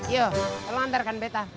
yo lo antarkan beta